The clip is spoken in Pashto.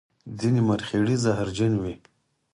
ځینې مرخیړي زهرجن وي